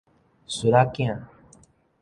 術仔囝